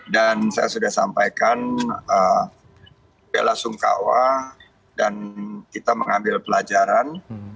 dan saya sudah sampaikan bella sungkawa dan kita mengambil pelajaran